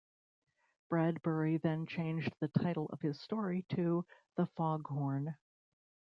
Bradbury then changed the title of his story to "The Fog Horn".